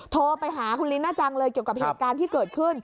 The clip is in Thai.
โทรไปหาคุณลิน่าจังเลยเกี่ยวกับเหตุการณ์ที่เกิดขึ้น